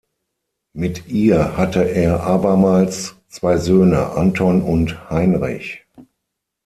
Mit ihr hatte er abermals zwei Söhne, Anton und Heinrich.